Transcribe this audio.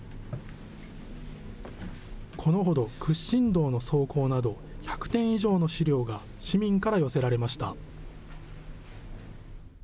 このほど屈伸道の草稿など１００点以上の資料が市民から寄せられました。